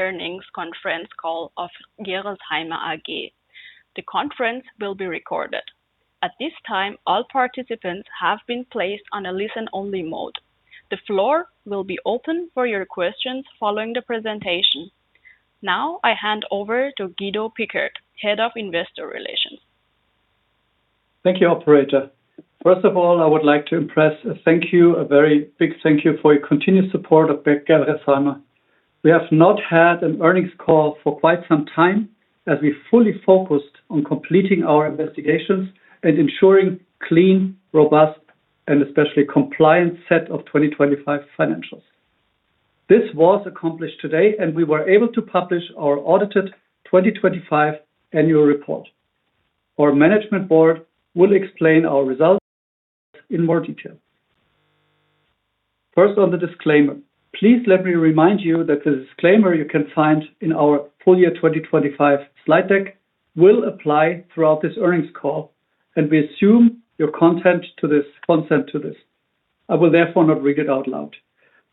Earnings conference call of Gerresheimer AG. The conference will be recorded. At this time, all participants have been placed on a listen-only mode. The floor will be open for your questions following the presentation. Now I hand over to Guido Pickert, Head of Investor Relations. Thank you, operator. First of all, I would like to express a very big thank you for your continued support of Gerresheimer. We have not had an earnings call for quite some time as we fully focused on completing our investigations and ensuring clean, robust, and especially compliant set of 2025 financials. This was accomplished today, and we were able to publish our audited 2025 annual report. Our management board will explain our results in more detail. First, on the disclaimer. Please let me remind you that the disclaimer you can find in our full year 2025 slide deck will apply throughout this earnings call, and we assume your consent to this. I will therefore not read it out loud.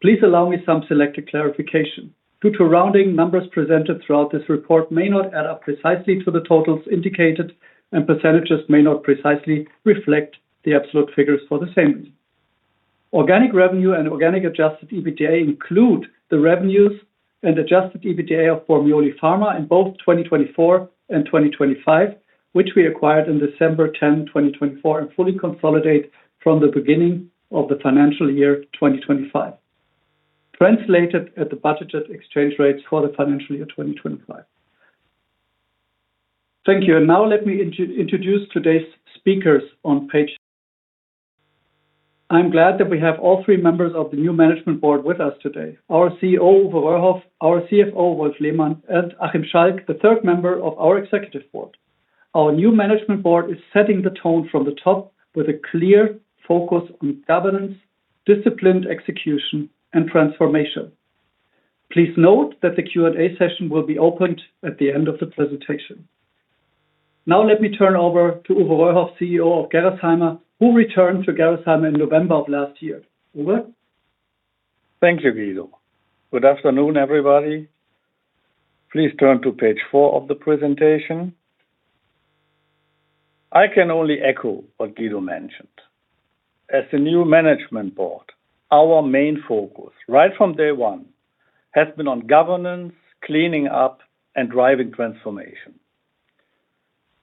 Please allow me some selected clarification. Due to rounding, numbers presented throughout this report may not add up precisely to the totals indicated, and percentages may not precisely reflect the absolute figures for the same reason. Organic revenue and organic adjusted EBITDA include the revenues and adjusted EBITDA of Bormioli Pharma in both 2024 and 2025, which we acquired on December 10, 2024, and fully consolidate from the beginning of the financial year 2025. Translated at the budgeted exchange rates for the financial year 2025. Thank you. Now let me introduce today's speakers on page I'm glad that we have all three members of the new management board with us today. Our CEO, Uwe Röhrhoff, our CFO, Wolf Lehmann, and Achim Schalk, the third member of our executive board. Our new management board is setting the tone from the top with a clear focus on governance, disciplined execution, and transformation. Please note that the Q&A session will be opened at the end of the presentation. Now let me turn over to Uwe Röhrhoff, CEO of Gerresheimer, who returned to Gerresheimer in November of last year. Uwe. Thank you, Guido. Good afternoon, everybody. Please turn to page four of the presentation. I can only echo what Guido mentioned. As the new management board, our main focus, right from day one, has been on governance, cleaning up, and driving transformation.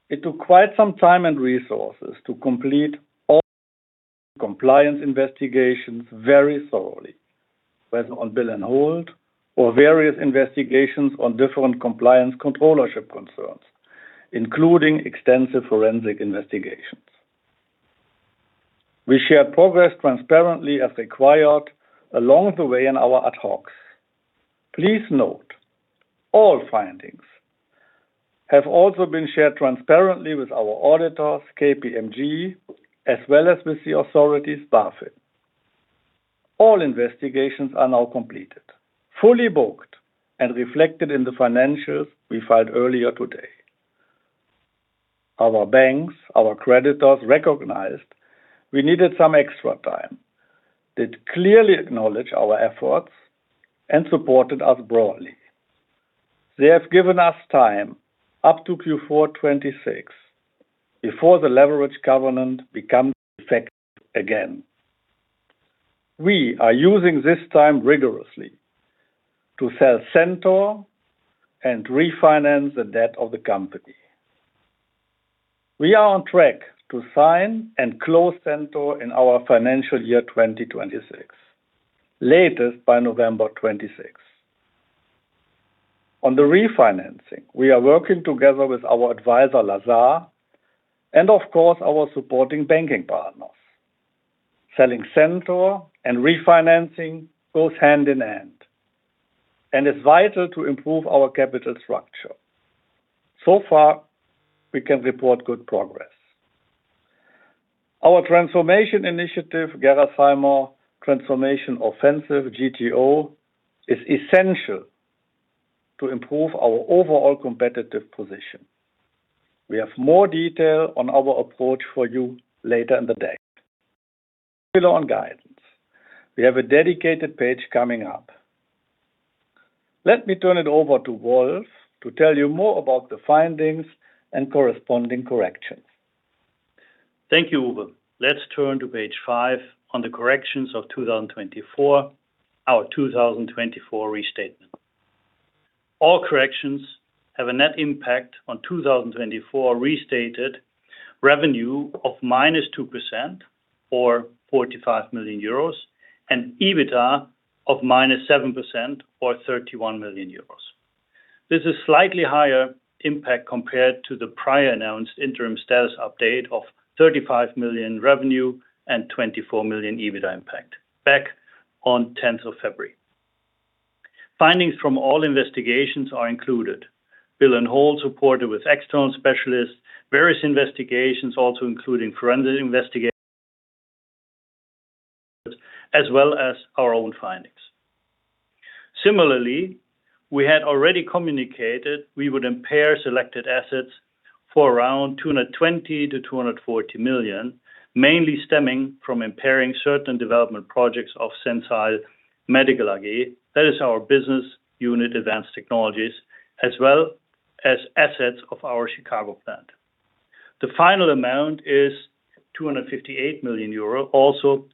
It took quite some time and resources to complete all compliance investigations very thoroughly, whether on bill and hold or various investigations on different compliance controllership concerns, including extensive forensic investigations. We shared progress transparently as required along the way in our ad hocs. Please note, all findings have also been shared transparently with our auditors, KPMG, as well as with the authorities, BaFin. All investigations are now completed, fully booked, and reflected in the financials we filed earlier today. Our banks, our creditors recognized we needed some extra time. They clearly acknowledge our efforts and supported us broadly. They have given us time up to Q4 2026 before the leverage covenant becomes effective again. We are using this time rigorously to sell Centor and refinance the debt of the company. We are on track to sign and close Centor in our financial year 2026, latest by November 26th. On the refinancing, we are working together with our advisor, Lazard, and of course, our supporting banking partners. Selling Centor and refinancing goes hand in hand and is vital to improve our capital structure. So far, we can report good progress. Our transformation initiative, Gerresheimer Transformation Offensive, GTO, is essential to improve our overall competitive position. We have more detail on our approach for you later in the day. Below on guidance. We have a dedicated page coming up. Let me turn it over to Wolf to tell you more about the findings and corresponding corrections. Thank you, Uwe. Let's turn to page five on the corrections of 2024, our 2024 restatement. All corrections have a net impact on 2024 restated revenue of -2% or 45 million euros and EBITDA of -7% or 31 million euros. This is slightly higher impact compared to the prior announced interim status update of 35 million revenue and 24 million EBITDA impact back on February 10th. Findings from all investigations are included. Bill and hold supported with external specialists, various investigations also including forensic investigations, as well as our own findings. Similarly, we had already communicated we would impair selected assets For around 220 million-240 million, mainly stemming from impairing certain development projects of Sensile Medical AG. That is our business unit Advanced Technologies, as well as assets of our Chicago plant. The final amount is 258 million euro, also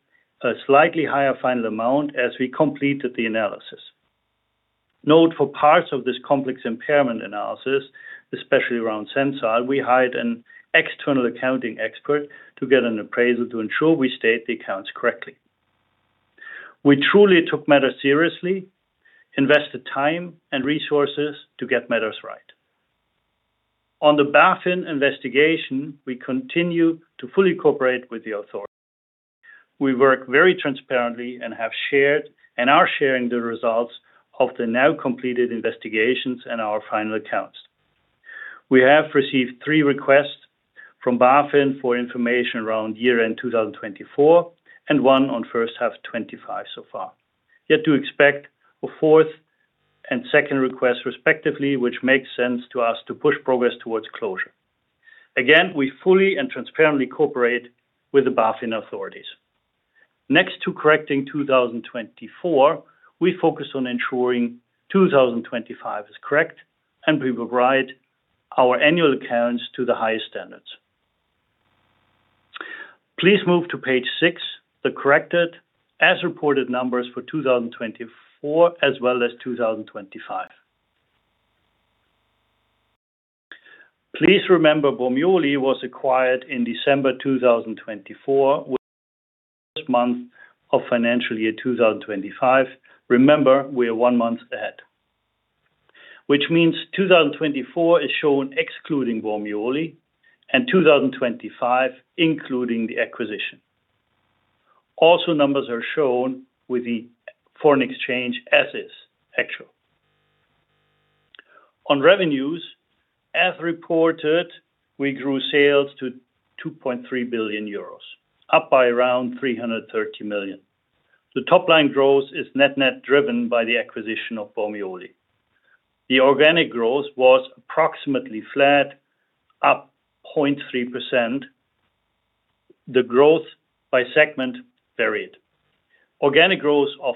a slightly higher final amount as we completed the analysis. Note for parts of this complex impairment analysis, especially around Sensile, we hired an external accounting expert to get an appraisal to ensure we state the accounts correctly. We truly took matters seriously, invested time and resources to get matters right. On the BaFin investigation, we continue to fully cooperate with the authorities. We work very transparently and have shared, and are sharing the results of the now completed investigations and our final accounts. We have received three requests from BaFin for information around year-end 2024 and one on first half 2025 so far. Yet to expect a fourth and second request, respectively, which makes sense to us to push progress towards closure. Again, we fully and transparently cooperate with the BaFin authorities. Next to correcting 2024, we focus on ensuring 2025 is correct and we provide our annual accounts to the highest standards. Please move to page six, the corrected as-reported numbers for 2024 as well as 2025. Please remember Bormioli was acquired in December 2024, which is the first month of financial year 2025. Remember, we are one month ahead, which means 2024 is shown excluding Bormioli and 2025, including the acquisition. Also numbers are shown with the foreign exchange as is actual. On revenues, as reported, we grew sales to 2.3 billion euros, up by around 330 million. The top line growth is net-net driven by the acquisition of Bormioli. The organic growth was approximately flat up 0.3%. The growth by segment varied. Organic growth of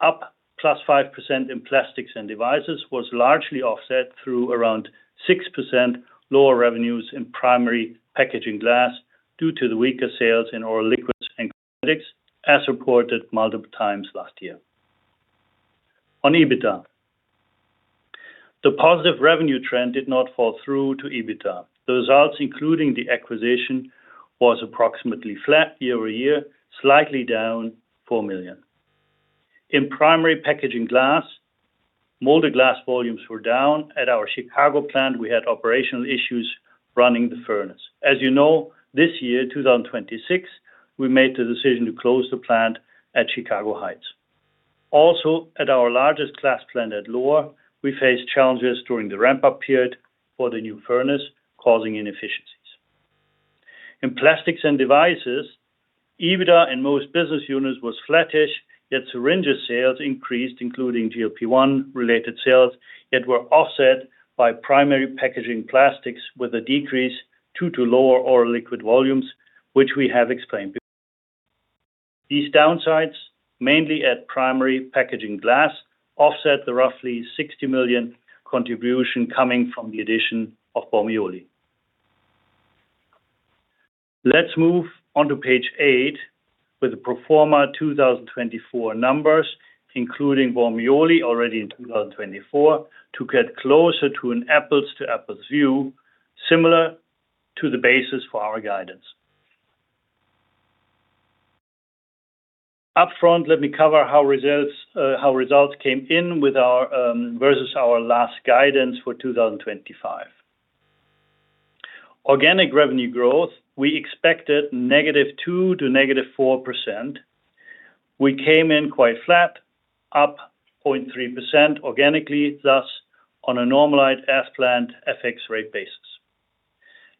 up +5% in plastics and devices was largely offset through around 6% lower revenues in Primary Packaging Glass due to the weaker sales in oral liquids and cosmetics as reported multiple times last year. On EBITDA. The positive revenue trend did not fall through to EBITDA. The results, including the acquisition, was approximately flat year-over-year, slightly down 4 million. In Primary Packaging Glass, molded glass volumes were down. At our Chicago plant, we had operational issues running the furnace. As you know, this year, 2026, we made the decision to close the plant at Chicago Heights. Also at our largest glass plant at Lohr, we faced challenges during the ramp-up period for the new furnace, causing inefficiencies. In plastics and devices, EBITDA in most business units was flattish, yet syringe sales increased, including GLP-1 related sales, yet were offset by Primary Packaging Plastics with a decrease due to lower oral liquid volumes, which we have explained before. These downsides, mainly at Primary Packaging Glass, offset the roughly 60 million contribution coming from the addition of Bormioli. Let's move on to page eight with the pro forma 2024 numbers, including Bormioli already in 2024 to get closer to an apples to apples view, similar to the basis for our guidance. Up front, let me cover how results came in versus our last guidance for 2025. Organic revenue growth, we expected -2% to -4%. We came in quite flat, up 0.3% organically, thus on a normalized FX rate basis.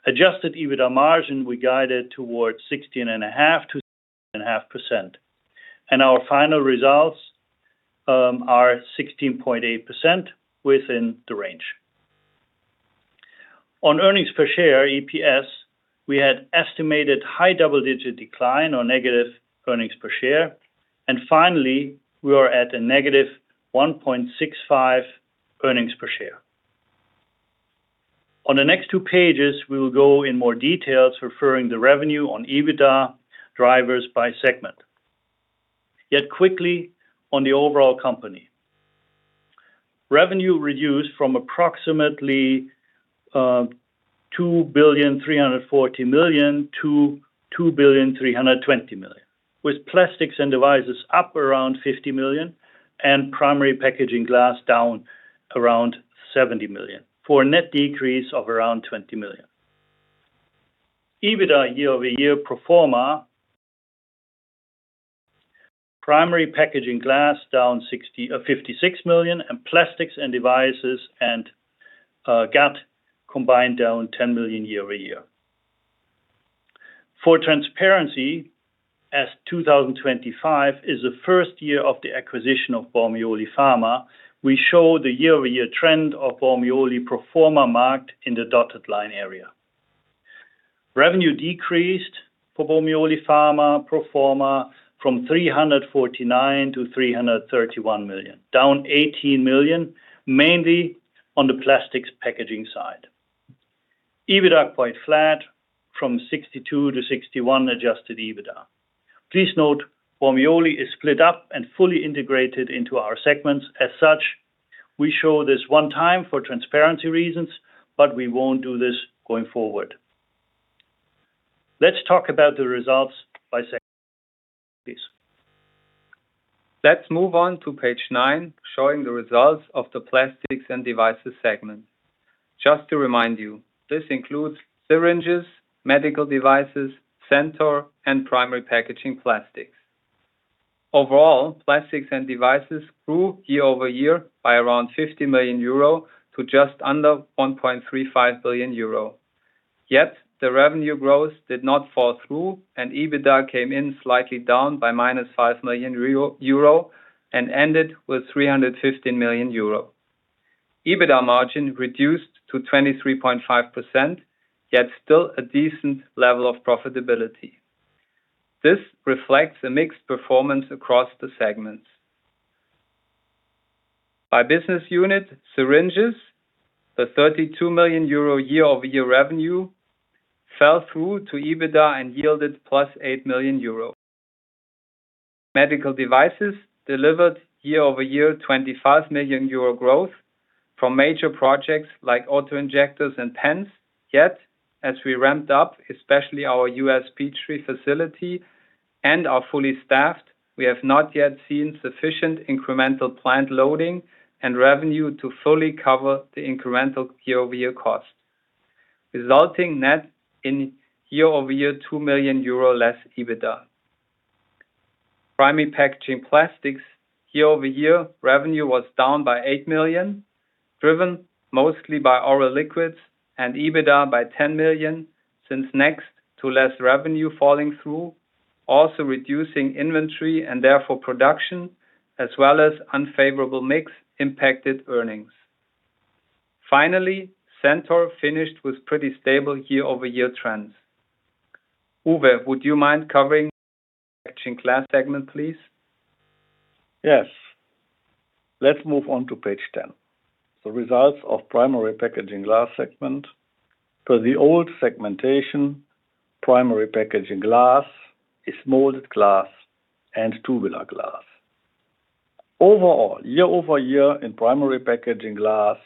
Adjusted EBITDA margin, we guided towards 16.5%-17.5%, and our final results are 16.8% within the range. On earnings per share, EPS, we had estimated high double-digit decline on negative earnings per share. Finally, we are at a -1.65 earnings per share. On the next two pages, we will go in more details referring the revenue on EBITDA drivers by segment. Yet quickly on the overall company. Revenue reduced from approximately 2.34 billion to 2.32 billion, with plastics and devices up around 50 million and Primary Packaging Glass down around 70 million for a net decrease of around 20 million. EBITDA year-over-year pro forma. Primary Packaging Glass down 56 million, and plastics and devices and GAT combined down 10 million year-over-year. For transparency, as 2025 is the first year of the acquisition of Bormioli Pharma, we show the year-over-year trend of Bormioli pro forma marked in the dotted line area. Revenue decreased for Bormioli Pharma pro forma from 349 million-331 million, down 18 million, mainly on the plastics packaging side. EBITDA quite flat from 62 million-61 million adjusted EBITDA. Please note, Bormioli is split up and fully integrated into our segments. As such, we show this one time for transparency reasons, but we won't do this going forward. Let's talk about the results by segment, please. Let's move on to page nine, showing the results of the Plastics and Devices segment. Just to remind you, this includes syringes, medical devices, Centor, and primary packaging plastics. Overall, Plastics and Devices grew year-over-year by around 50 million euro to just under 1.35 billion euro. The revenue growth did not fall through, and EBITDA came in slightly down by minus 5 million euro and ended with 315 million euro. EBITDA margin reduced to 23.5%, yet still a decent level of profitability. This reflects a mixed performance across the segments. By business unit, syringes, the 32 million euro year-over-year revenue fell through to EBITDA and yielded plus 8 million euro. Medical devices delivered year-over-year 25 million euro growth from major projects like auto-injectors and pens. As we ramped up, especially our U.S. Peachtree facility and are fully staffed, we have not yet seen sufficient incremental plant loading and revenue to fully cover the incremental year-over-year cost, resulting net in year-over-year 2 million euro less EBITDA. Primary packaging plastics, year-over-year, revenue was down by 8 million, driven mostly by oral liquids and EBITDA by 10 million since next to less revenue falling through, also reducing inventory and therefore production, as well as unfavorable mix impacted earnings. Finally, Centor finished with pretty stable year-over-year trends. Uwe, would you mind covering the packaging glass segment, please? Yes. Let's move on to page 10. The results of Primary Packaging Glass Segment. Per the old segmentation, Primary Packaging Glass is Molded Glass and tubular glass. Overall, year-over-year in Primary Packaging Glass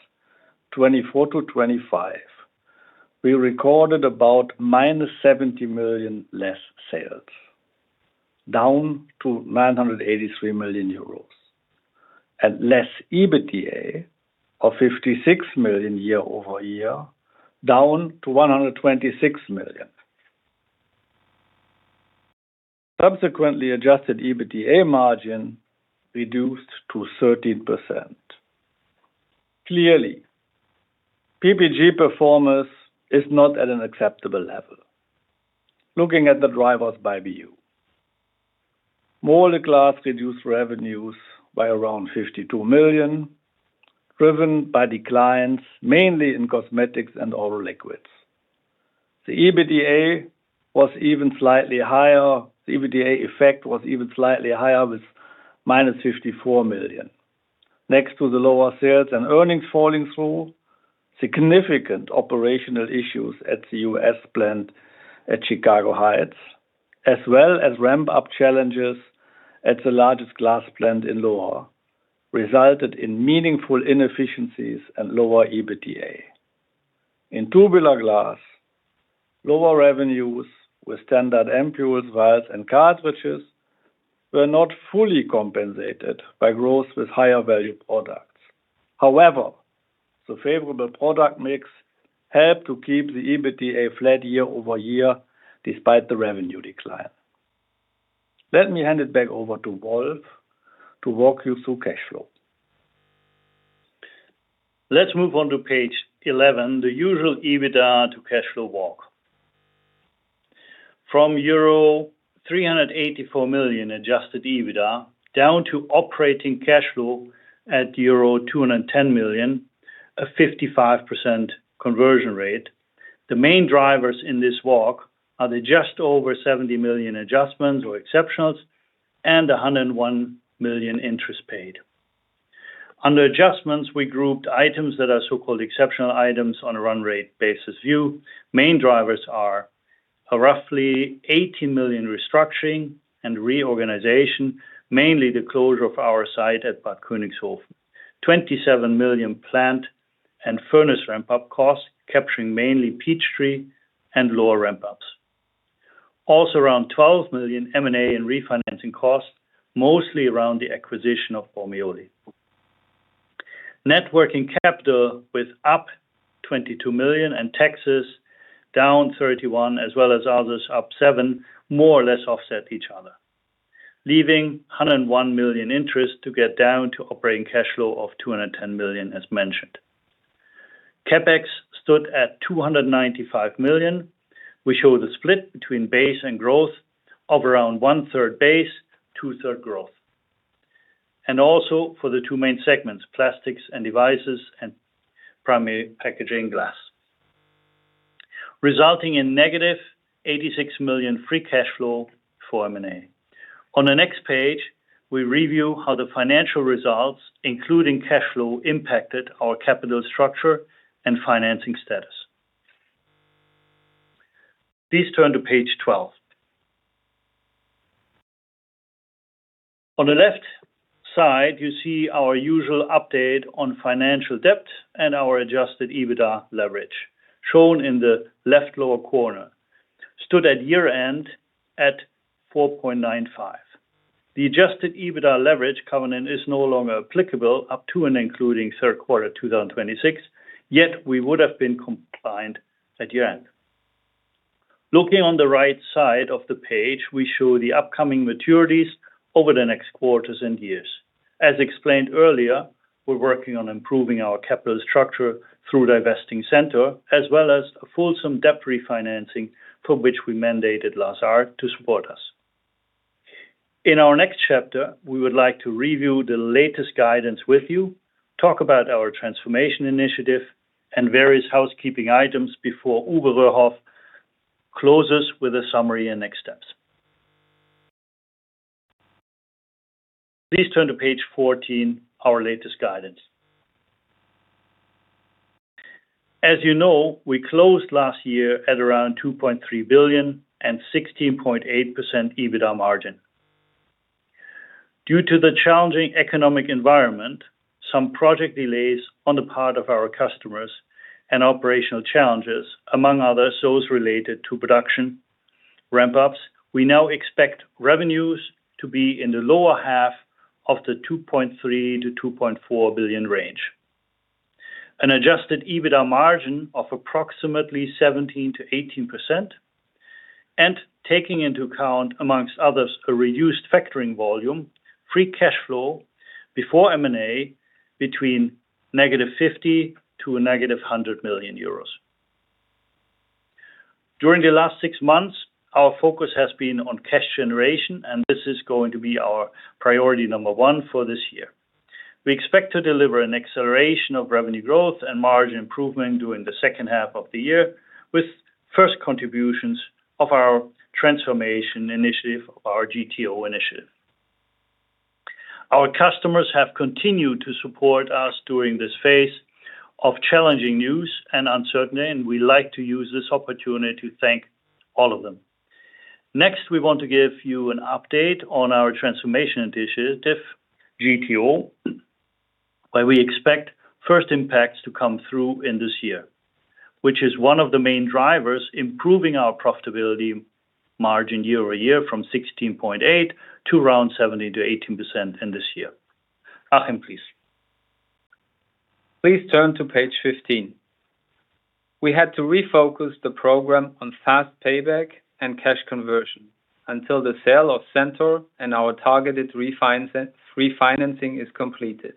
2024-2025, we recorded about minus 70 million less sales, down to 983 million euros, and less EBITDA of 56 million year-over-year, down to 126 million. Subsequently, adjusted EBITDA margin reduced to 13%. Clearly, PPG performance is not at an acceptable level. Looking at the drivers by BU. Molded Glass reduced revenues by around 52 million, driven by declines mainly in cosmetics and oral liquids. The EBITDA effect was even slightly higher with minus 54 million. Next to the lower sales and earnings falling through, significant operational issues at the U.S. plant at Chicago Heights, as well as ramp-up challenges at the largest glass plant in Lohr resulted in meaningful inefficiencies and lower EBITDA. In tubular glass, lower revenues with standard ampoules, vials, and cartridges were not fully compensated by growth with higher value products. However, the favorable product mix helped to keep the EBITDA flat year-over-year despite the revenue decline. Let me hand it back over to Wolf to walk you through cash flow. Let's move on to page 11, the usual EBITDA to cash flow walk. From euro 384 million adjusted EBITDA down to operating cash flow at euro 210 million, a 55% conversion rate. The main drivers in this walk are the just over 70 million adjustments or exceptionals and 101 million interest paid. Under adjustments, we grouped items that are so-called exceptional items on a run rate basis view. Main drivers are a roughly 80 million restructuring and reorganization, mainly the closure of our site Bad Königshofen. 27 million plant and furnace ramp-up costs capturing mainly Peachtree and lower ramp-ups. Also, around 12 million M&A and refinancing costs, mostly around the acquisition of Bormioli. Net working capital was up 22 million and taxes down 31 million, as well as others up 7 million, more or less offset each other, leaving 101 million interest to get down to operating cash flow of 210 million as mentioned. CapEx stood at 295 million. We show the split between base and growth of around one-third base, two-third growth, and also for the two main segments, plastics and devices and primary packaging glass, resulting in negative 86 million free cash flow for M&A. On the next page, we review how the financial results, including cash flow, impacted our capital structure and financing status. Please turn to page 12. On the left side, you see our usual update on financial debt and our adjusted EBITDA leverage. Shown in the left lower corner, stood at year-end at 4.95. The adjusted EBITDA leverage covenant is no longer applicable up to and including third quarter 2026, yet we would have been compliant at year-end. Looking on the right side of the page, we show the upcoming maturities over the next quarters and years. As explained earlier, we're working on improving our capital structure through divesting Centor as well as a fulsome debt refinancing for which we mandated Lazard to support us. In our next chapter, we would like to review the latest guidance with you, talk about our transformation initiative, and various housekeeping items before Uwe Röhrhoff closes with a summary and next steps. Please turn to page 14, our latest guidance. As you know, we closed last year at around 2.3 billion and 16.8% EBITDA margin. Due to the challenging economic environment, some project delays on the part of our customers, and operational challenges, among others, those related to production ramp-ups, we now expect revenues to be in the lower half of the 2.3 billion-2.4 billion range. An adjusted EBITDA margin of approximately 17%-18%, taking into account, amongst others, a reduced factoring volume, free cash flow before M&A between negative 50 million to a negative 100 million euros. During the last six months, our focus has been on cash generation. This is going to be our priority number one for this year. We expect to deliver an acceleration of revenue growth and margin improvement during the second half of the year, with first contributions of our transformation initiative, our GTO initiative. Our customers have continued to support us during this phase of challenging news and uncertainty. We like to use this opportunity to thank all of them. Next, we want to give you an update on our transformation initiative, GTO, where we expect first impacts to come through in this year, which is one of the main drivers improving our profitability margin year-over-year from 16.8% to around 17%-18% in this year. Achim, please. Please turn to page 15. We had to refocus the program on fast payback and cash conversion until the sale of Centor and our targeted refinancing is completed.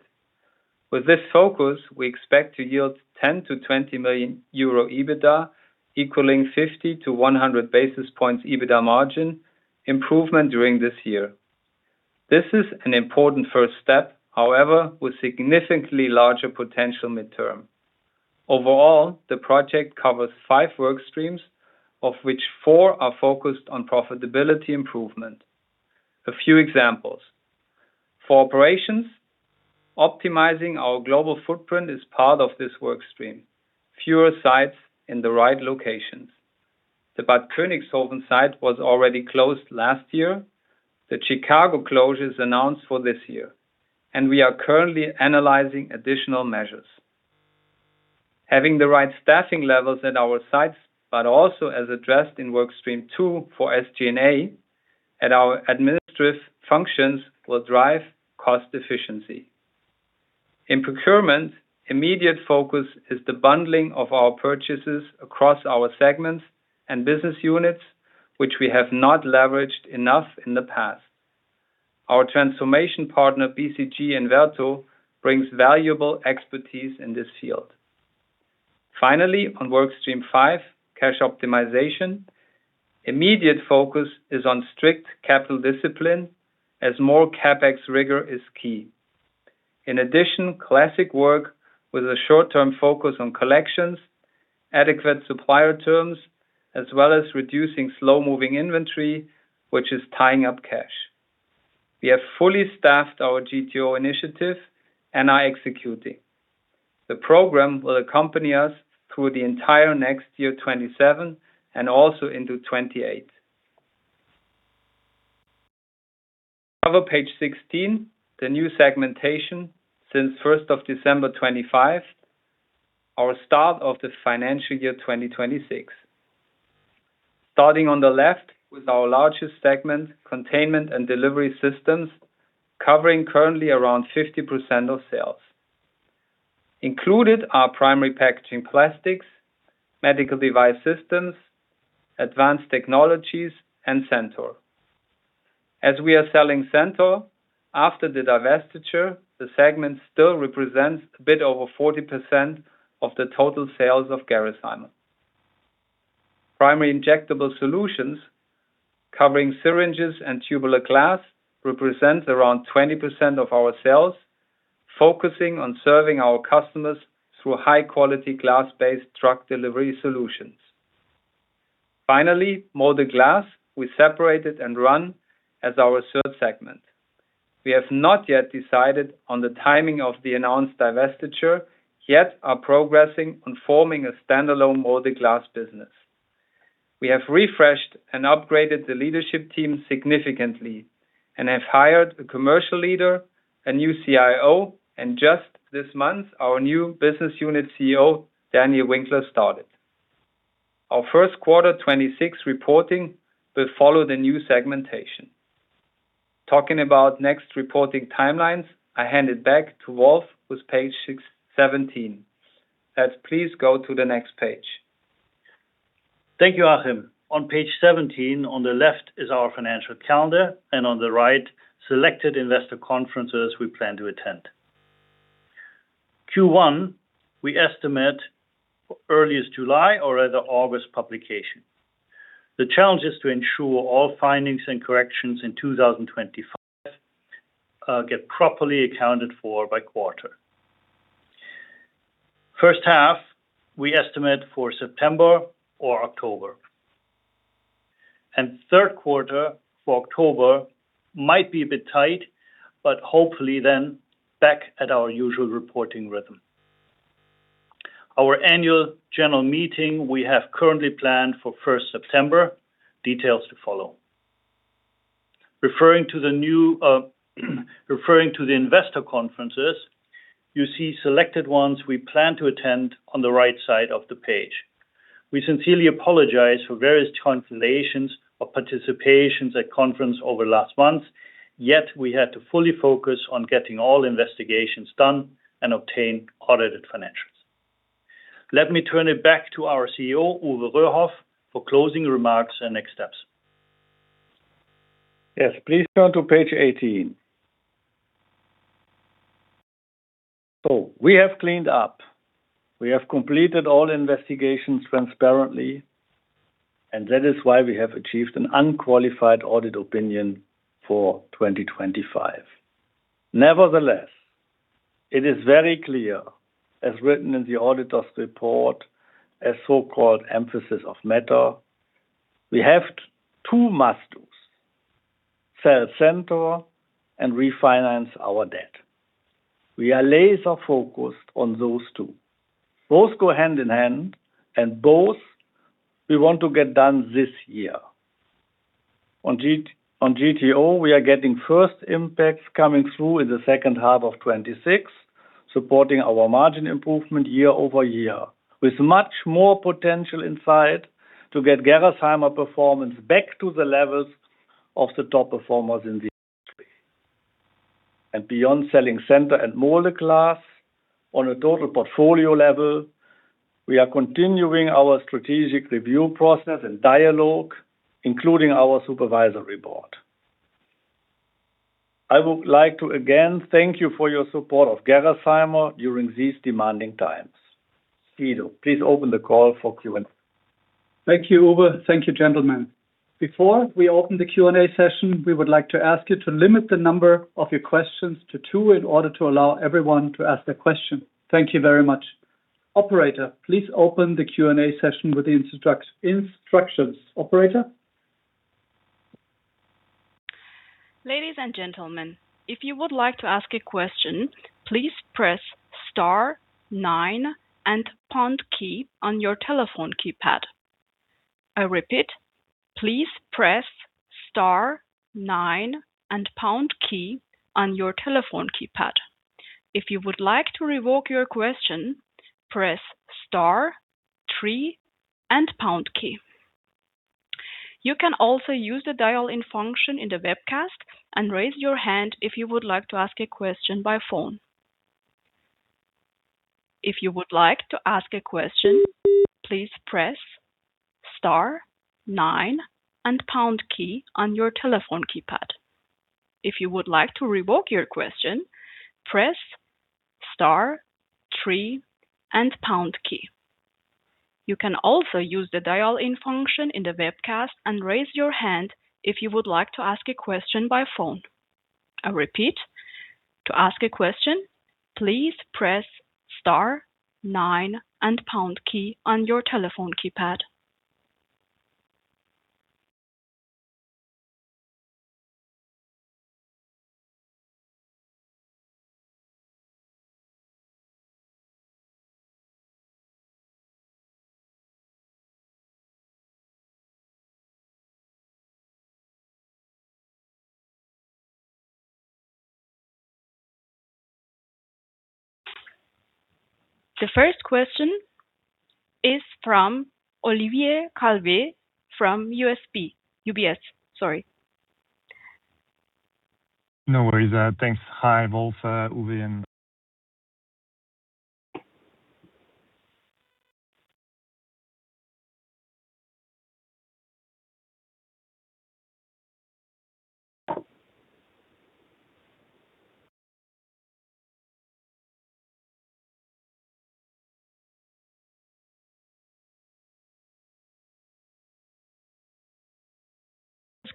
With this focus, we expect to yield 10 million-20 million euro EBITDA equaling 50-100 basis points EBITDA margin improvement during this year. This is an important first step, however, with significantly larger potential midterm. Overall, the project covers five work streams, of which four are focused on profitability improvement. A few examples. For operations, optimizing our global footprint is part of this work stream. Fewer sites in the right locations. The Bad Königshofen site was already closed last year. The Chicago closure is announced for this year. We are currently analyzing additional measures. Having the right staffing levels at our sites, but also as addressed in work stream two for SG&A at our administrative functions will drive cost efficiency. In procurement, immediate focus is the bundling of our purchases across our segments and business units, which we have not leveraged enough in the past. Our transformation partner, BCG and Verto, brings valuable expertise in this field. Finally, on work stream five, cash optimization, immediate focus is on strict CapEx discipline, as more CapEx rigor is key. In addition, classic work with a short-term focus on collections, adequate supplier terms, as well as reducing slow-moving inventory, which is tying up cash. We have fully staffed our GTO initiative and are executing. The program will accompany us through the entire next year 2027 and also into 2028. Cover page 16, the new segmentation since 1st of December 2025, our start of the financial year 2026. Starting on the left with our largest segment, containment and delivery systems, covering currently around 50% of sales. Included are Primary Packaging Plastics, Medical Device Systems, Advanced Technologies, and Centor. As we are selling Centor, after the divestiture, the segment still represents a bit over 40% of the total sales of Gerresheimer. Primary injectable solutions, covering syringes and tubular glass, represents around 20% of our sales, focusing on serving our customers through high-quality glass-based drug delivery solutions. Finally, Molded Glass, we separated and run as our third segment. We have not yet decided on the timing of the announced divestiture, yet are progressing on forming a standalone Molded Glass business. We have refreshed and upgraded the leadership team significantly and have hired a commercial leader, a new CIO, and just this month, our new business unit CEO, Daniel Winkler, started. Our first quarter 2026 reporting will follow the new segmentation. Talking about next reporting timelines, I hand it back to Wolf with page 17. Let's please go to the next page. Thank you, Achim. On page 17, on the left is our financial calendar, and on the right, selected investor conferences we plan to attend. Q1, we estimate earliest July or rather August publication. The challenge is to ensure all findings and corrections in 2025 get properly accounted for by quarter. First half, we estimate for September or October. Third quarter for October might be a bit tight, but hopefully then back at our usual reporting rhythm. Our annual general meeting we have currently planned for first September. Details to follow. Referring to the investor conferences, you see selected ones we plan to attend on the right side of the page. We sincerely apologize for various cancellations of participations at conference over last months, yet we had to fully focus on getting all investigations done and obtain audited financials. Let me turn it back to our CEO, Uwe Röhrhoff, for closing remarks and next steps. Please turn to page 18. We have cleaned up. We have completed all investigations transparently, and that is why we have achieved an unqualified audit opinion for 2025. Nevertheless, it is very clear, as written in the auditor's report, a so-called emphasis of matter, we have two must-dos: sell Centor and refinance our debt. We are laser-focused on those two. Both go hand in hand, and both we want to get done this year. On GTO, we are getting first impacts coming through in the second half of 2026, supporting our margin improvement year-over-year, with much more potential in sight to get Gerresheimer performance back to the levels of the top performers in the industry. Beyond selling Centor and Molded Glass, on a total portfolio level, we are continuing our strategic review process and dialogue, including our supervisory board. I would like to again thank you for your support of Gerresheimer during these demanding times. Guido, please open the call for Q&A. Thank you, Uwe. Thank you, gentlemen. Before we open the Q&A session, we would like to ask you to limit the number of your questions to two in order to allow everyone to ask their question. Thank you very much. Operator, please open the Q&A session with the instructions. Operator? Ladies and gentlemen, if you would like to ask a question, please press star nine and pound key on your telephone keypad. I repeat, please press star nine and pound key on your telephone keypad. If you would like to revoke your question, press star three and pound key. You can also use the dial-in function in the webcast and raise your hand if you would like to ask a question by phone. If you would like to ask a question, please press star nine and pound key on your telephone keypad. If you would like to revoke your question, press star three and pound key. You can also use the dial-in function in the webcast and raise your hand if you would like to ask a question by phone. I repeat, to ask a question, please press star nine and pound key on your telephone keypad. The first question is from Olivier Calvet from UBS. UBS, sorry. No worries. Thanks. Hi, Wolf, Uwe,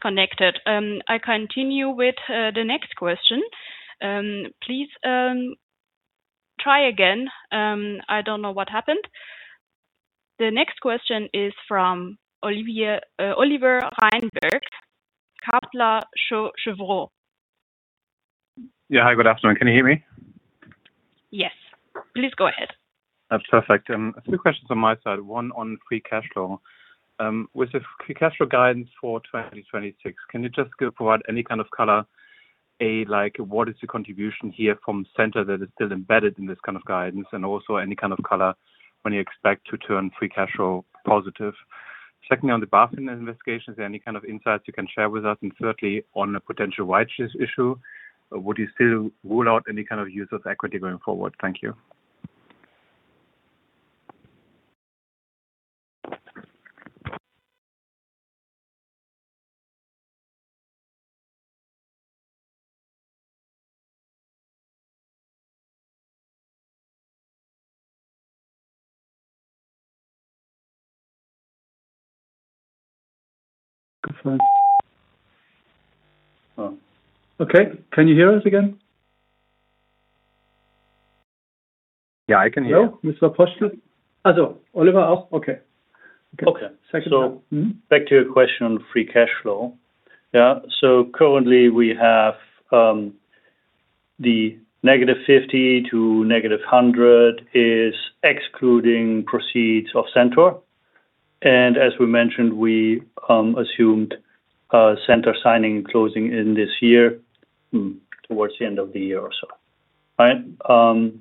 and- Disconnected. I continue with the next question. Please try again. I don't know what happened. The next question is from Oliver Reinberg, Kepler Cheuvreux. Yeah. Hi, good afternoon. Can you hear me? Yes. Please go ahead. That's perfect. A few questions on my side, one on free cash flow. With the free cash flow guidance for 2026, can you just provide any kind of color? A, what is the contribution here from Centor that is still embedded in this kind of guidance? Also any kind of color when you expect to turn free cash flow positive. Secondly, on the BaFin investigations, are there any kind of insights you can share with us? Thirdly, on a potential rights issue, would you still rule out any kind of use of equity going forward? Thank you. Good morning. Oh, okay. Can you hear us again? Yeah, I can hear. No, uncertain? Oh, Oliver also? Okay. Second time. Back to your question on free cash flow. Yeah. Currently we have the -50 to -100 is excluding proceeds of Centor. As we mentioned, we assumed Centor signing and closing in this year towards the end of the year or so. Right? BaFin-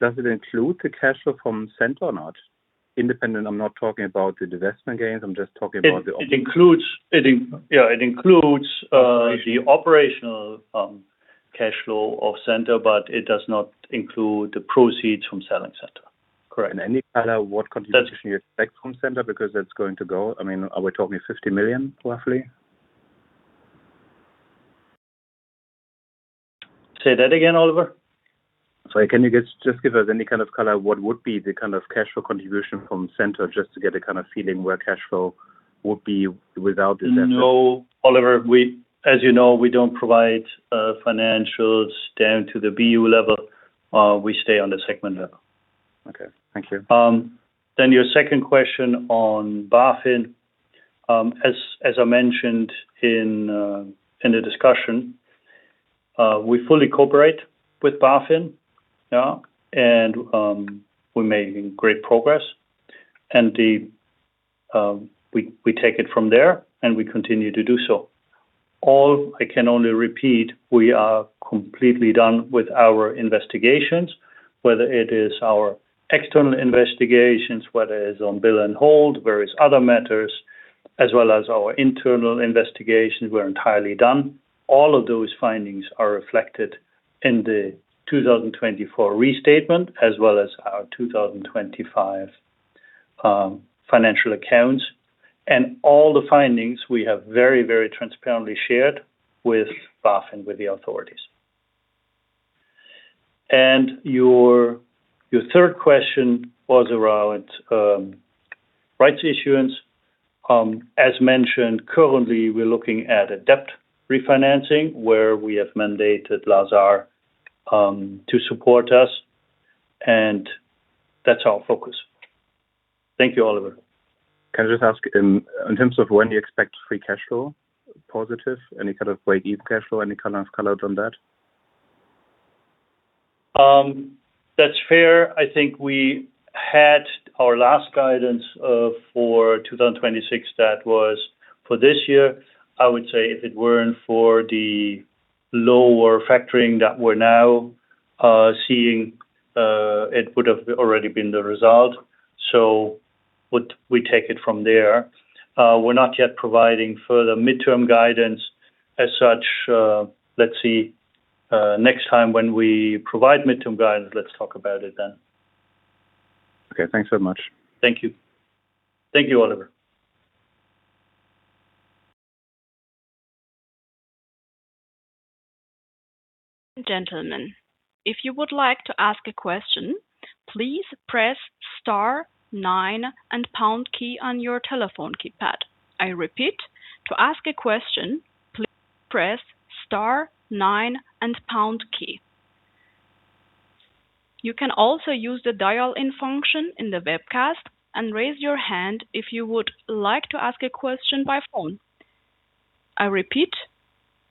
Does it include the cash flow from Centor or not? Independent, I'm not talking about the divestment gains, I'm just talking about the. It includes the operational cash flow of Centor, but it does not include the proceeds from selling Centor. Correct. Any color what contribution you expect from Centor, because that's going to go. Are we talking 50 million roughly? Say that again, Oliver. Sorry. Can you just give us any kind of color what would be the kind of cash flow contribution from Centor just to get a kind of feeling where cash flow would be without the Centor? No, Oliver, as you know, we don't provide financials down to the BU level. We stay on the segment level. Okay. Thank you. Your second question on BaFin. As I mentioned in the discussion, we fully cooperate with BaFin, yeah, and we're making great progress. We take it from there, and we continue to do so. All I can only repeat, we are completely done with our investigations, whether it is our external investigations, whether it is on bill and hold, various other matters, as well as our internal investigations, we're entirely done. All of those findings are reflected in the 2024 restatement as well as our 2025 financial accounts. All the findings we have very, very transparently shared with BaFin, with the authorities. Your third question was around rights issuance. As mentioned, currently, we're looking at a debt refinancing where we have mandated Lazard to support us, and that's our focus. Thank you, Oliver. Can I just ask in terms of when do you expect free cash flow positive? Any kind of way to eke cash flow, any kind of color on that? That's fair. I think we had our last guidance for 2026. That was for this year. I would say if it weren't for the lower factoring that we're now seeing, it would have already been the result. We take it from there. We're not yet providing further midterm guidance as such. Let's see, next time when we provide midterm guidance, let's talk about it then. Okay. Thanks very much. Thank you. Thank you, Oliver. Gentlemen. If you would like to ask a question, please press star nine and pound key on your telephone keypad. I repeat, to ask a question, please press star nine and pound key. You can also use the dial-in function in the webcast and raise your hand if you would like to ask a question by phone. I repeat,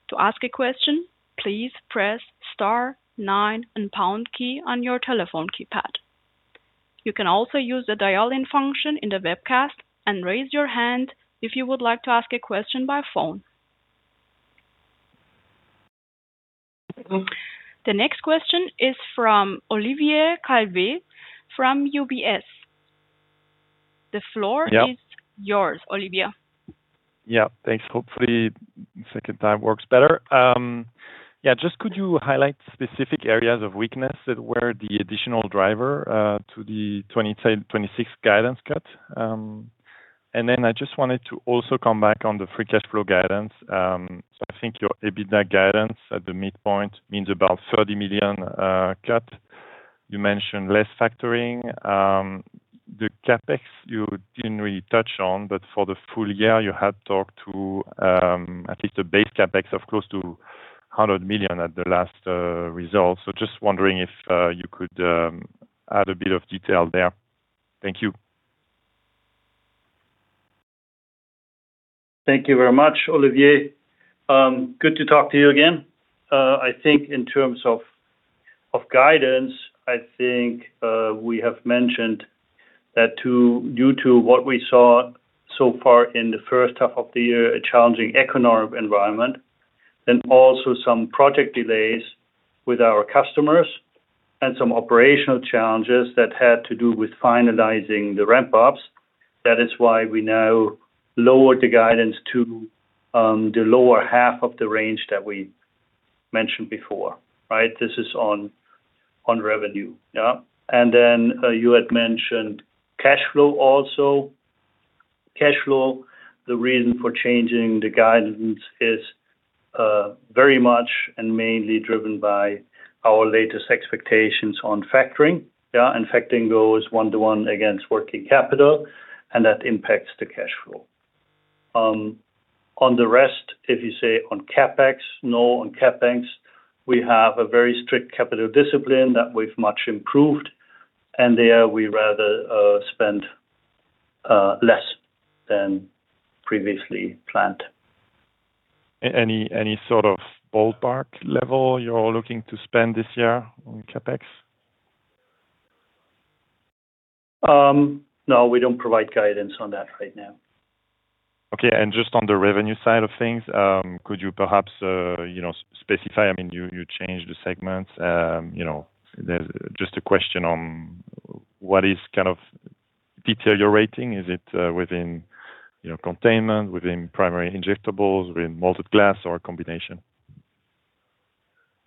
to ask a question, please press star nine and pound key on your telephone keypad. You can also use the dial-in function in the webcast and raise your hand if you would like to ask a question by phone. The next question is from Olivier Calvet from UBS. The floor- Yeah Is yours, Olivier. Thanks. Hopefully second time works better. Just could you highlight specific areas of weakness that were the additional driver to the 2026 guidance cut? I just wanted to also come back on the free cash flow guidance. I think your EBITDA guidance at the midpoint means about 30 million cut. You mentioned less factoring. The CapEx you didn't really touch on, but for the full year, you had talked to at least a base CapEx of close to 100 million at the last result. Just wondering if you could add a bit of detail there. Thank you. Thank you very much, Olivier. Good to talk to you again. I think in terms of guidance, I think we have mentioned that due to what we saw so far in the first half of the year, a challenging economic environment and also some project delays with our customers and some operational challenges that had to do with finalizing the ramp-ups. That is why we now lowered the guidance to the lower half of the range that we mentioned before, right? This is on revenue. You had mentioned cash flow also. Cash flow, the reason for changing the guidance is very much and mainly driven by our latest expectations on factoring. Factoring goes one to one against working capital, and that impacts the cash flow. On the rest, if you say on CapEx, no, on CapEx, we have a very strict capital discipline that we've much improved. There we rather spend less than previously planned. Any sort of ballpark level you're looking to spend this year on CapEx? No, we don't provide guidance on that right now. Okay, just on the revenue side of things, could you perhaps specify, I mean, you changed the segments. Just a question on what is kind of deteriorating? Is it within containment, within primary injectables, within Molded Glass, or a combination?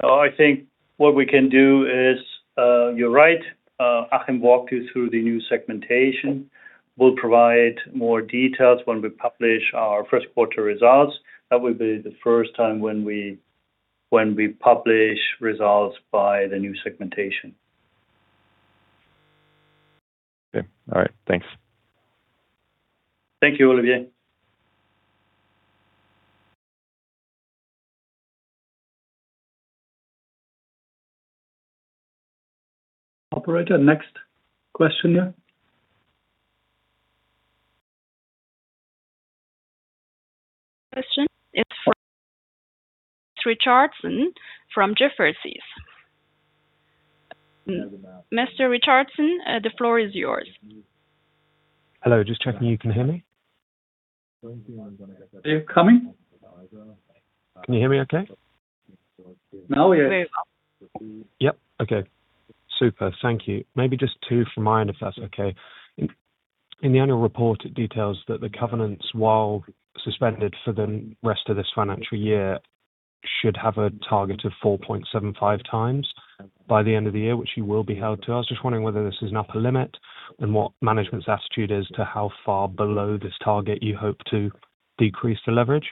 I think what we can do is, you're right, I can walk you through the new segmentation. We'll provide more details when we publish our first quarter results. That will be the first time when we publish results by the new segmentation. Okay. All right. Thanks. Thank you, Olivier. Operator, next question. Next question. It's from Chris Richardson from Jefferies. Mr. Richardson, the floor is yours. Hello. Just checking you can hear me. Are you coming? Can you hear me okay? Now, yes. Yep. Okay. Super. Thank you. Maybe just two from my end, if that's okay. In the annual report, it details that the covenants, while suspended for the rest of this financial year, should have a target of 4.75 times by the end of the year, which you will be held to. I was just wondering whether this is an upper limit and what management's attitude is to how far below this target you hope to decrease the leverage.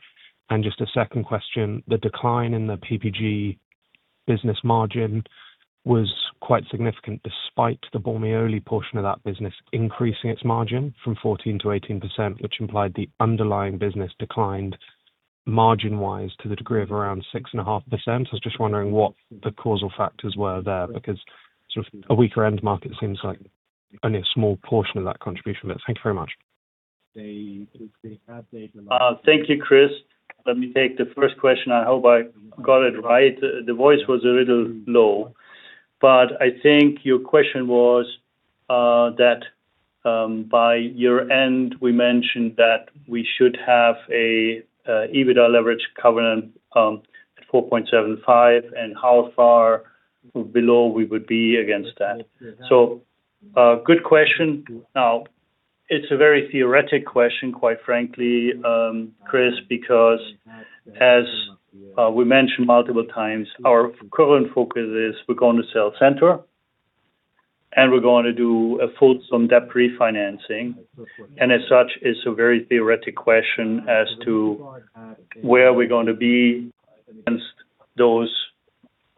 Just a second question, the decline in the PPG business margin was quite significant despite the Bormioli portion of that business increasing its margin from 14%-18%, which implied the underlying business declined margin-wise to the degree of around 6.5%. I was just wondering what the causal factors were there, because sort of a weaker end market seems like only a small portion of that contribution. Thank you very much. Thank you, Chris. Let me take the first question. I hope I got it right. The voice was a little low. I think your question was that by year-end, we mentioned that we should have a EBITDA leverage covenant at 4.75, and how far below we would be against that. Good question. Now, it's a very theoretic question, quite frankly, Chris, because as we mentioned multiple times, our current focus is we're going to sell Centor and we're going to do a full debt refinancing. As such, it's a very theoretic question as to where we're going to be against those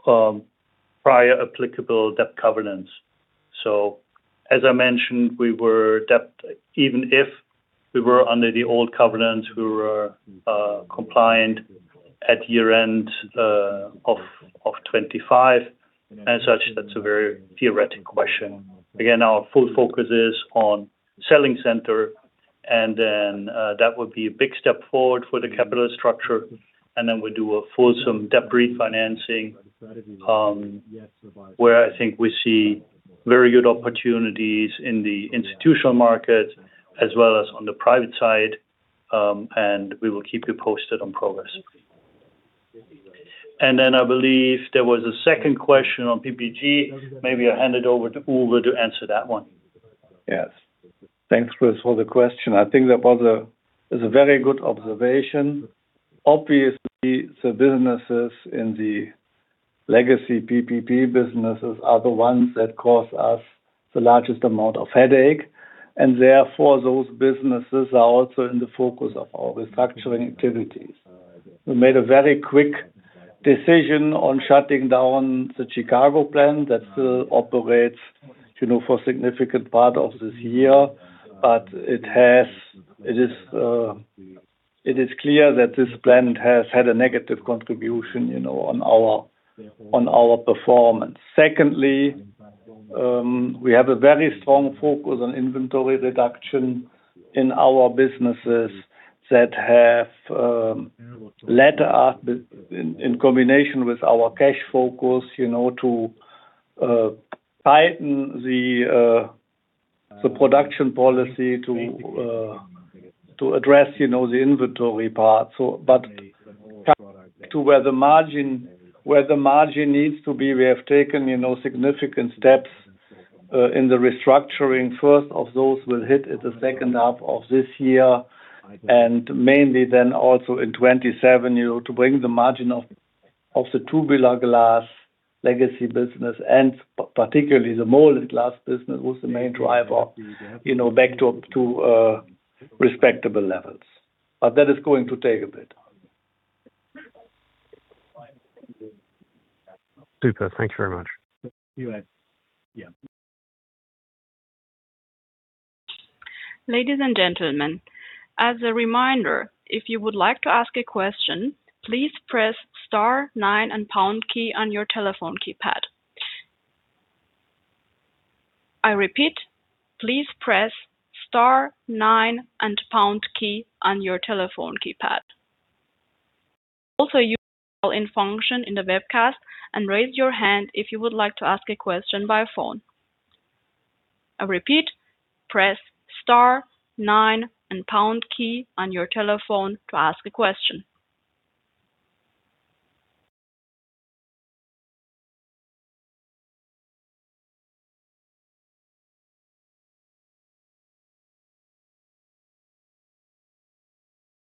prior applicable debt covenants. As I mentioned, even if we were under the old covenant, we were compliant at year-end of 2025. As such, that's a very theoretic question. Again, our full focus is on selling Centor, that would be a big step forward for the capital structure. We'll do a full debt refinancing, where I think we see very good opportunities in the institutional market as well as on the private side, and we will keep you posted on progress. I believe there was a second question on PPG. Maybe I hand it over to Uwe to answer that one Yes. Thanks, Chris, for the question. I think that was a very good observation. Obviously, the businesses in the legacy PPG businesses are the ones that cause us the largest amount of headache, and therefore, those businesses are also in the focus of our restructuring activities. We made a very quick decision on shutting down the Chicago plant that still operates for a significant part of this year. It is clear that this plant has had a negative contribution on our performance. Secondly, we have a very strong focus on inventory reduction in our businesses that have led us, in combination with our cash focus, to tighten the production policy to address the inventory part. To where the margin needs to be, we have taken significant steps in the restructuring. First of those will hit at the second half of this year, and mainly then also in 2027, to bring the margin of the two uncertain Glass legacy business and particularly the Molded Glass business was the main driver back to respectable levels. That is going to take a bit. Super. Thank you very much. See you later. Ladies and gentlemen, as a reminder, if you would like to ask a question, please press star nine and pound key on your telephone keypad. I repeat, please press star nine and pound key on your telephone keypad. Also use the call-in function in the webcast and raise your hand if you would like to ask a question by phone. I repeat, press star nine and pound key on your telephone to ask a question.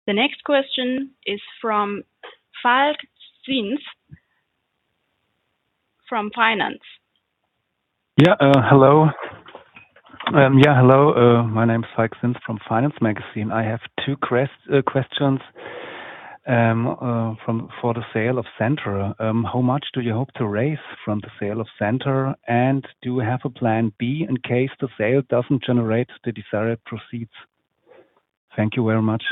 The next question is from Falk Zinß from Finance. Yeah. Hello. My name is Falk Zinß from Finance Magazine. I have two questions for the sale of Centor. How much do you hope to raise from the sale of Centor? Do you have a plan B in case the sale doesn't generate the desired proceeds? Thank you very much.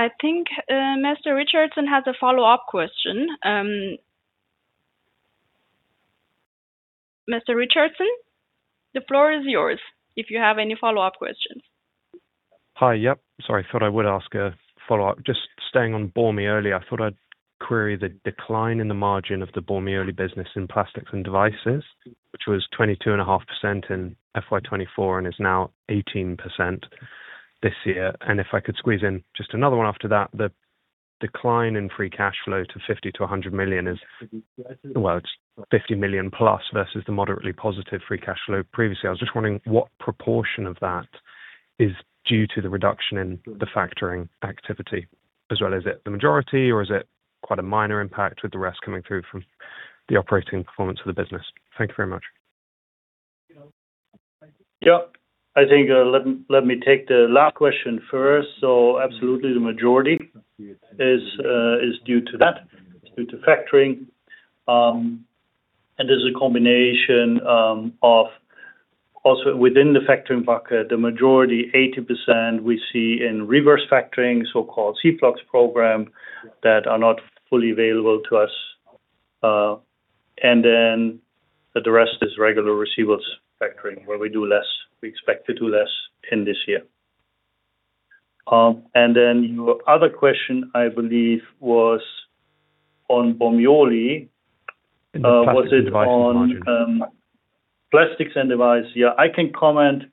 I think Mr. Richardson has a follow-up question. Mr. Richardson, the floor is yours if you have any follow-up questions. Hi. Yep. Sorry. Thought I would ask a follow-up. Just staying on Bormioli, I thought I'd query the decline in the margin of the Bormioli business in Plastics and Devices, which was 22.5% in FY 2024 and is now 18% this year. If I could squeeze in just another one after that, the decline in free cash flow to 50 million-100 million is. Well, it's 50 million+ versus the moderately positive free cash flow previously. I was just wondering what proportion of that is due to the reduction in the factoring activity as well. Is it the majority or is it quite a minor impact with the rest coming through from the operating performance of the business? Thank you very much. Yeah. I think let me take the last question first. Absolutely the majority is due to that, due to factoring. There's a combination of also within the factoring bucket, the majority, 80% we see in reverse factoring, so-called C-flux program that are not fully available to us. The rest is regular receivables factoring, where we do less. We expect to do less in this year. Your other question, I believe, was on Bormioli. Was it on- Plastics and device? Yeah, I can comment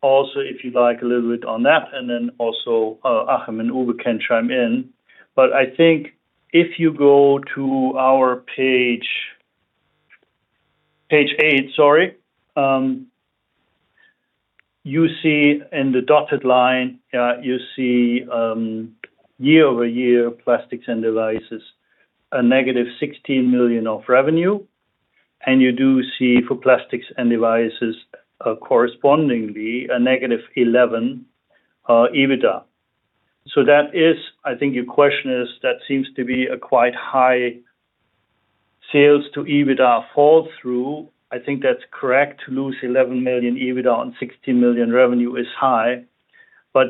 also if you'd like a little bit on that, and then also Achim and Uwe can chime in. I think if you go to our page eight, sorry. You see in the dotted line, you see year-over-year Plastics and Devices, a negative 16 million of revenue. You do see for Plastics and Devices, correspondingly, a negative 11 EBITDA. I think your question is that seems to be a quite high sales to EBITDA fall through. I think that's correct. To lose 11 million EBITDA on 16 million revenue is high.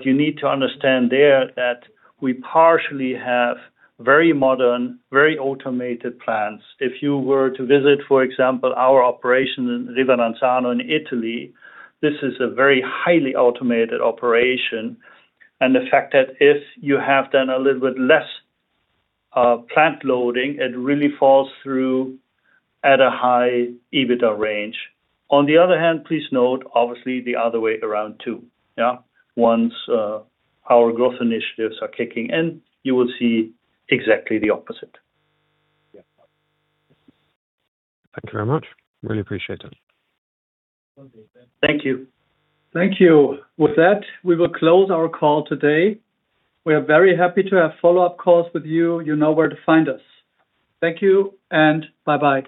You need to understand there that we partially have very modern, very automated plants. If you were to visit, for example, our operation in Rivanazzano, in Italy, this is a very highly automated operation. The fact that if you have then a little bit less plant loading, it really falls through at a high EBITDA range. On the other hand, please note, obviously, the other way around too. Yeah. Once our growth initiatives are kicking in, you will see exactly the opposite. Thank you very much. Really appreciate it. Thank you. Thank you. With that, we will close our call today. We are very happy to have follow-up calls with you. You know where to find us. Thank you, and bye-bye.